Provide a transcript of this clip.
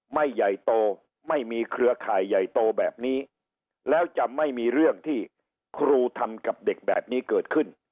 ไม่ใหญ่โตไม่มีเครือข่ายใหญ่โตแบบนี้แล้วจะไม่มีเรื่องที่ครูทำกับเด็กแบบนี้เกิดขึ้น